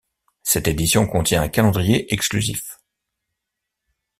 Cette édition contient un calendrier exclusif.